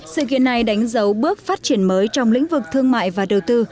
sự kiện này đánh dấu bước phát triển mới trong lĩnh vực thương mại và đầu tư